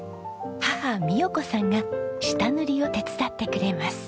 母みよ子さんが下塗りを手伝ってくれます。